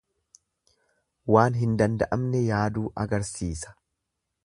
Waan hin danda'amne yaaduu agarsiisa.